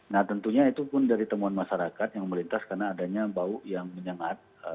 nah tentunya itu pun dari temuan masyarakat yang melintas karena adanya bau yang menyengat